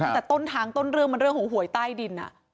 ตั้งแต่ต้นทางต้นเรื่องมันเรื่องของหวยใต้ดิน